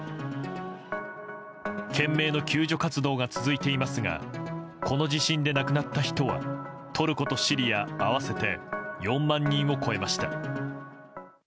懸命の救助活動が続いていますがこの地震で亡くなった人はトルコとシリア合わせて４万人を超えました。